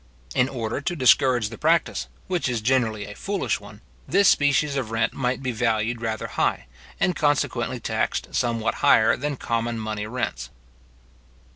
In order to discourage the practice, which is generally a foolish one, this species of rent might be valued rather high, and consequently taxed somewhat higher than common money rents.